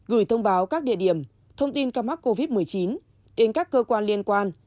gửi thông báo các địa điểm thông tin ca mắc covid một mươi chín đến các cơ quan liên quan